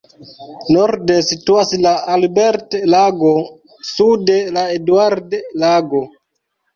Norde situas la Albert-Lago, sude la Eduard-Lago.